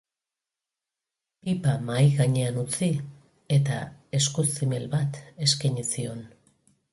Pipa mahai gainean utzi eta esku zimel bat eskaini zion.